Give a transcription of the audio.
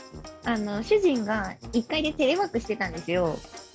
主人が１階でテレワークしてたんですよ。